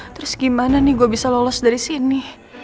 terus gimana nih gue bisa lolos dari sini